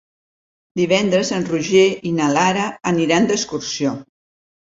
Divendres en Roger i na Lara aniran d'excursió.